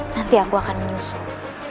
nanti aku akan menyusul